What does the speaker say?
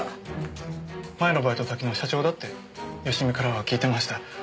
前のバイト先の社長だって佳美からは聞いてました。